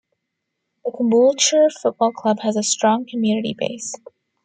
The Caboolture Football Club has a strong community base.